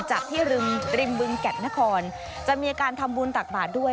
จากที่ริมริมบึงแก่นนครจะมีการทำบุญตักบาทด้วย